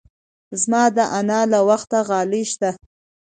زما د انا له وخته غالۍ شته.